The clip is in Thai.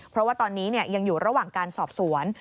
เพราะว่าตอนนี้ยังอยู่ระหว่างการสอบสวน